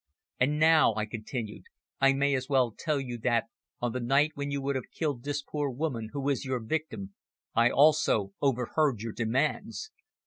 "And now," I continued, "I may as well tell you that, on the night when you would have killed this poor woman who is your victim, I also overheard your demands.